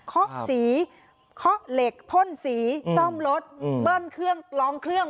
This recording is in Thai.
เคาะสีเคาะเหล็กพ่นสีซ่อมรถเบิ้ลเครื่องร้องเครื่อง